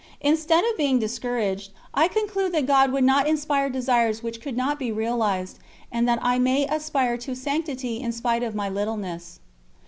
Instead of being discouraged, I concluded that God would not inspire desires which could not be realised, and that I may aspire to sanctity in spite of my littleness.